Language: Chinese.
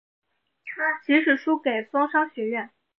即使输给松商学园。